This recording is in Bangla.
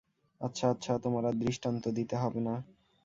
আচ্ছা আচ্ছা, তোমার আর দৃষ্টান্ত দিতে হবে না।